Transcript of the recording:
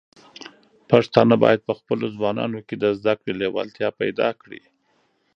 پښتانه بايد په خپلو ځوانانو کې د زده کړې لیوالتیا پيدا کړي.